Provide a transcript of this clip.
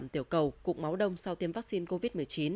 tiểu cầu cục máu đông sau tiêm vaccine covid một mươi chín